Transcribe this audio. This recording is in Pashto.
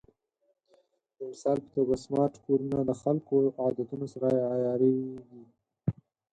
د مثال په توګه، سمارټ کورونه د خلکو د عادتونو سره عیارېږي.